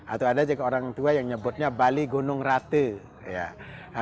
atau ada juga orang tua yang menyebutnya bale gunung rata